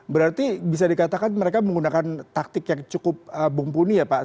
berarti bisa dikatakan mereka menggunakan taktik yang cukup bumpuni ya pak